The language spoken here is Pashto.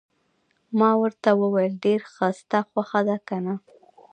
ما ورته وویل: ډېر ښه، ستا خوښه ده، که نه؟